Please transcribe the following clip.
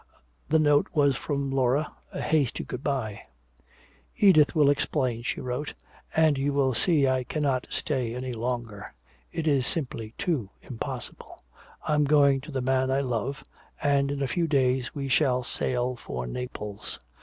The note was from Laura, a hasty good bye. "Edith will explain," she wrote, "and you will see I cannot stay any longer. It is simply too impossible. I am going to the man I love and in a few days we shall sail for Naples.